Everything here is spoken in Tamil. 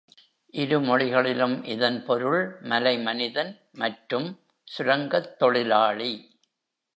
இரு மொழிகளிலும் இதன் பொருள் "மலை மனிதன்" மற்றும் "சுரங்கத் தொழிலாளி".